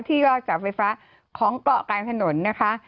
ที่ก็จากไฟฟ้าของเกาะกลางถนนนะคะ